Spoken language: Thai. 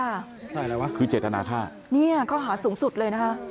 อะไรวะคือเจตนาค่าเนี่ยข้อหาสูงสุดเลยนะคะ